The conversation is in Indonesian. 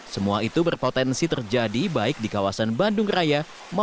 semua itu berpotensi terjadi baik di kawasan bandung raya